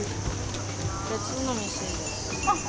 別の店ですけど。